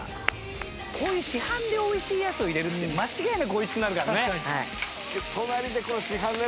こういう市販で美味しいやつを入れるって間違いなく美味しくなるからね。